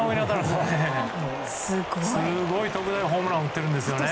すごい特大ホームランを打っているんですね。